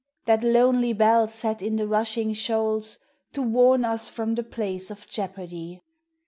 That lonely bell set in the rushing shoals, To warn as from the place of jeopardy!